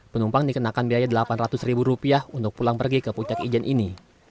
penumpang dikenakan biaya rp delapan ratus ribu rupiah untuk pulang pergi ke puncak ijen ini